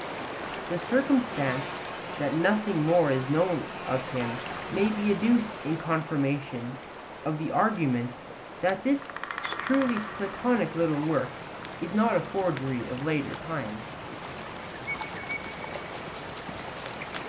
The circumstance that nothing more is known of him may be adduced in confirmation of the argument that this truly Platonic little work is not a forgery of later times.